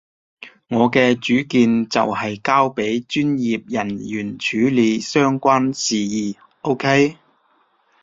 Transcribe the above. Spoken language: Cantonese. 我嘅主見就係交畀專業人員處理相關事宜，OK？